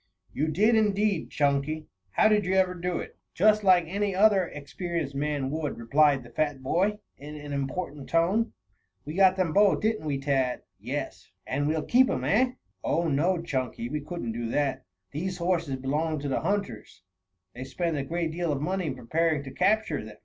"You did, indeed, Chunky. How did you ever do it?" "Just like any other experienced man would," replied the fat boy, in an important tone. "We got them both, didn't we, Tad!" "Yes." "And we'll keep 'em, eh!" "Oh, no, Chunky. We couldn't do that. These horses belong to the hunters. They spend a great deal of money in preparing to capture them.